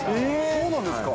そうなんですか。